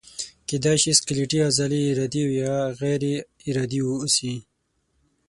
کیدای شي سکلیټي عضلې ارادي او یا غیر ارادي اوسي.